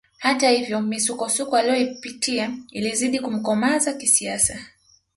Hata hivyo misukosuko aliyoipitia ilizidi kumkomaza kisiasa